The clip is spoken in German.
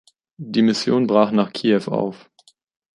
Die Mission brach nach Kiew auf.